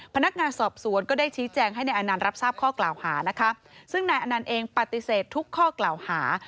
พนักงานสอบสวนก็ได้ชี้แจงให้นายอนันต์รับทราบข้อกล่าวหานะคะซึ่งนายอนันต์เองปฏิเสธทุกข้อกล่าวหา